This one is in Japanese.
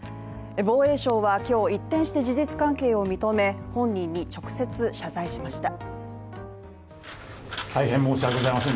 防衛省は今日、一転して事実関係を認め本人に直接謝罪しました。